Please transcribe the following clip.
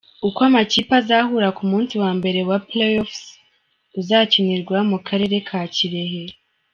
Uko amakipe azahura ku munsi wa mbere wa Playoffs uzakinirwa mu karere ka Kirehe